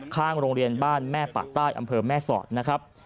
ข้างโรงเรียนบ้านแม่ปะใต้อำเภอแม่สอดนะครับ